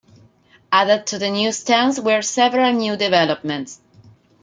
Added to the new stands were several new developments.